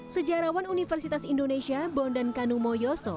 sejarawan universitas indonesia bondan kanumoyoso